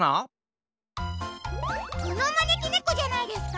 このまねきねこじゃないですか？